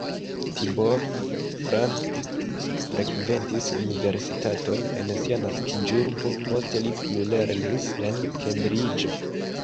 Tibor Frank frekventis universitaton en sia naskiĝurbo, poste li plulernis en Kembriĝo.